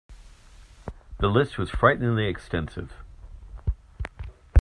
The list was frighteningly extensive.